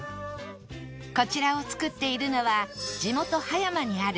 こちらを作っているのは地元葉山にある